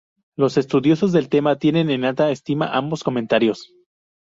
Los estudiosos del tema tienen en alta estima ambos comentarios.